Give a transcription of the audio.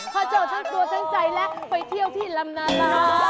พระเจ้าทั้งตัวทั้งใจและไปเที่ยวที่ลำนาลา